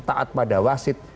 taat pada wasit